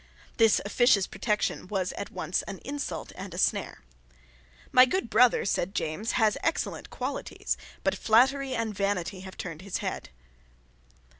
This officious protection was at once an insult and a snare. "My good brother," said James, "has excellent qualities; but flattery and vanity have turned his head."